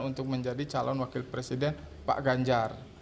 untuk menjadi calon wakil presiden pak ganjar